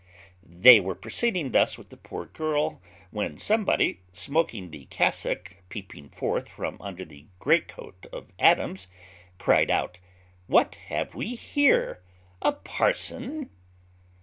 They were proceeding thus with the poor girl, when somebody, smoking the cassock peeping forth from under the greatcoat of Adams, cried out, "What have we here, a parson?"